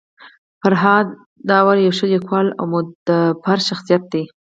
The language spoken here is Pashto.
فرهاد داوري يو ښه لیکوال او مدبر شخصيت دی.